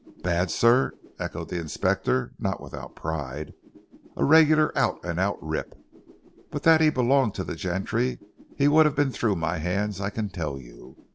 "Bad sir," echoed the Inspector not without pride, "a regular out and out rip. But that he belonged to the gentry, he would have been through my hands I can tell you.